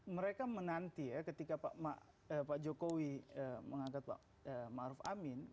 mereka menanti ya ketika pak jokowi mengangkat pak maruf amin